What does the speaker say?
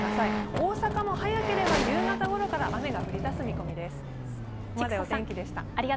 大阪も早ければ夕方ごろから雨が降りそうです。